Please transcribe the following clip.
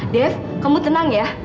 dave kamu tenang ya